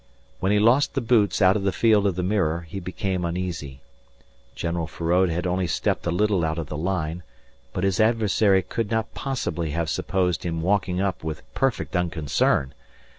When he lost the boots out of the field of the mirror, he became uneasy. General Feraud had only stepped a little out of the line, but his adversary could not possibly have supposed him walking up with perfect unconcern.